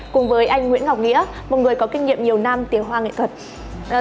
cùng với anh nguyễn ngọc nghĩa một người có kinh nghiệm nhiều năm tiếng hoa nghệ thuật